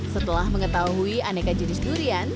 setelah mengetahui aneka jenis durian